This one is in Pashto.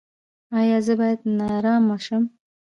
ایا زه باید نارامه شم؟